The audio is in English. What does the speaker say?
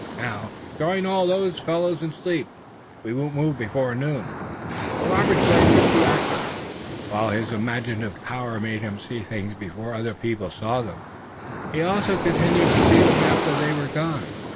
Now, join all those fellows in sleep. We won't move before noon." But Robert's brain was too active for sleep just yet. While his imaginative power made him see things before other people saw them, he also continued to see them after they were gone.